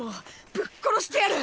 ぶっ殺してやる！